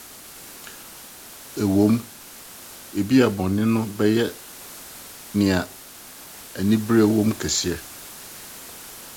Ɛwom, ebia bɔne no bɛyɛ nea anibere wom kɛse.